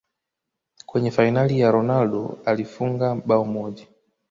kwenye fainali ya ronaldo alifunga bao moja